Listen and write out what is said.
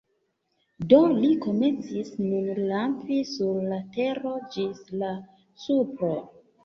Do li komencis nun rampi sur la tero ĝis la supro.